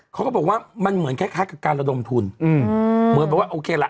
เขาก็บอกว่ามันเหมือนคล้ายคล้ายกับการระดมทุนอืมเหมือนแบบว่าโอเคล่ะ